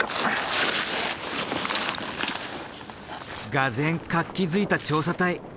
がぜん活気づいた調査隊。